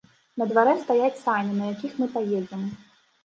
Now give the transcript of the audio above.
На дварэ стаяць сані, на якіх мы паедзем.